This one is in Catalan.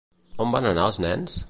On van anar els nens?